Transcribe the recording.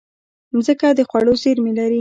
مځکه د خوړو زېرمې لري.